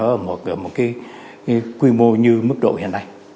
ở một cái quy mô như mức độ hiện nay